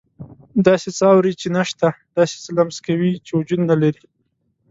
داسې څه اوري چې نه شته، داسې څه لمس کوي چې وجود نه لري.